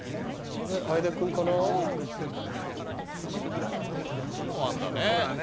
こんなのあんだね。